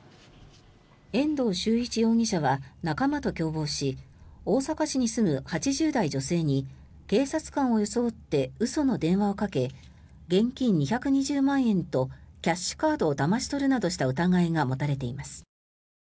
遠藤修一容疑者は仲間と共謀し大阪市に住む８０代女性に警察官を装って嘘の電話をかけ現金２２０万円とキャッシュカードをだまし取るなどした疑いが持たれています。